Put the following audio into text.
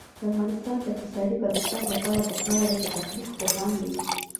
د افغانستان د اقتصادي پرمختګ لپاره پکار ده چې تخنیک پوهان وي.